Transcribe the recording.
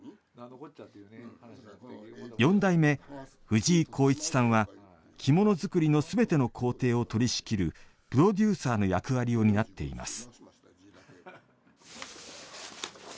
四代目・藤井浩一さんは着物作りの全ての工程を取りしきる、プロデューサーの役割を担っています。